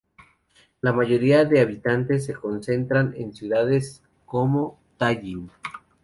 La mayoría de habitantes se concentran en ciudades como Tallin.